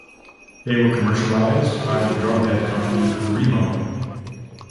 They were commercialized by the drumhead company Remo.